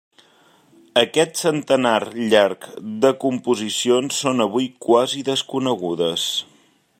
Aquest centenar llarg de composicions són avui quasi desconegudes.